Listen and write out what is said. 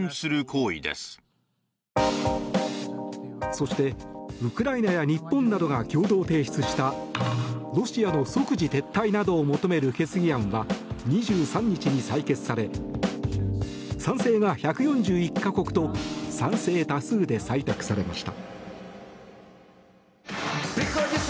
そしてウクライナや日本などが共同提出したロシアの即時撤退などを求める決議案は、２３日に採決され賛成が１４１か国と賛成多数で採択されました。